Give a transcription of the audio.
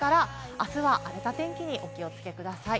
明日は荒れた天気に気をつけてください。